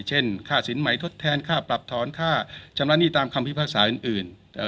เช่นค่าสินไหมทดแทนค่าปรับถอนค่าชำระหนี้ตามคำพิพากษาอื่นอื่นเอ่อ